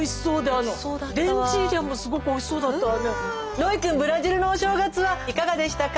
ロイくんブラジルのお正月はいかがでしたか？